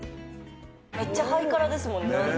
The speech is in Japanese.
めっちゃハイカラですもんね。